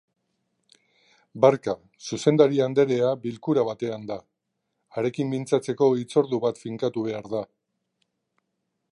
Barka, zuzendari anderea bilkura batean da. Harekin mintzatzeko hitzordu bat finkatu behar da.